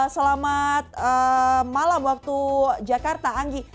selamat malam waktu jakarta anggi